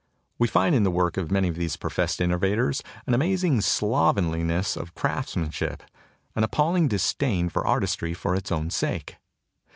We find in the work of many of these professed innovators an amazing slovenliness of craftsmanship, an appalling disdain for artistry for its own sake.